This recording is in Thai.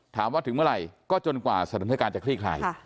ถึงเมื่อไหร่ก็จนกว่าสถานการณ์จะคลี่คลาย